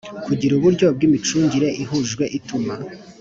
Kugira uburyo bw imicungire ihujwe ituma